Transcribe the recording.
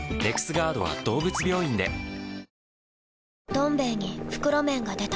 「どん兵衛」に袋麺が出た